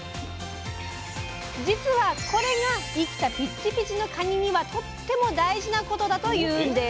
実はこれが生きたピッチピチのかににはとっても大事なことだというんです！